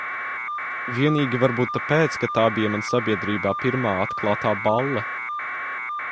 Vienīgi varbūt tāpēc, ka tā bija man sabiedrībā pirmā atklātā balle.